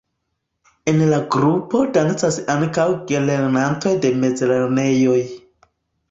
En la grupo dancas ankaŭ gelernantoj de mezlernejoj.